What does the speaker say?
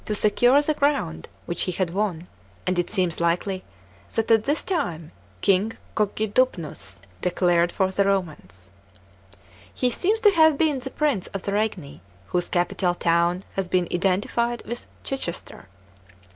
CHAP, xn secure the ground which he had won, and it seems likely that at this time King Cogidubnus declared for the Romans. He seems to have been the |>rmce of the Regni, whose capital town has been identified with Chichester.